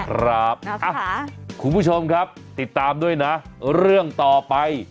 คุณผู้ชมครับติดตามด้วยนะเรื่องต่อไป